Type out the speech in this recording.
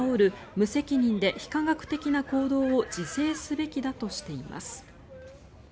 無責任で非科学的な行動を自制すべきだとしています。